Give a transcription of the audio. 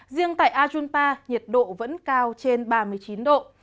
riêng tại ajunpa nhiệt độ vẫn cao trên ba mươi chín độ